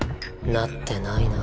なってないな。